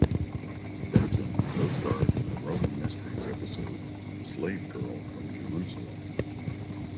Benton co-starred in the Roman Mysteries episode "The Slave Girl from Jerusalem".